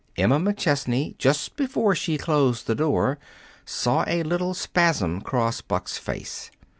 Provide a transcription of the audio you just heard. Emma McChesney, just before she closed the door, saw a little spasm cross Buck's face.